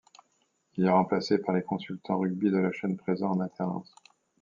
Il est remplacé par les consultants rugby de la chaîne présents en alternance.